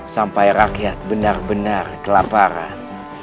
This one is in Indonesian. sampai rakyat benar benar kelaparan